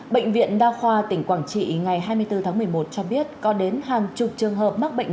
bệnh viện đa khoa tỉnh quảng trị ngày hai mươi bốn tháng một mươi một cho biết có đến hàng chục trường hợp mắc bệnh